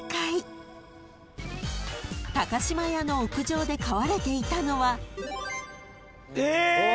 ［島屋の屋上で飼われていたのは］